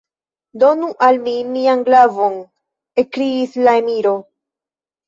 Donu al mi mian glavon! ekkriis la emiro.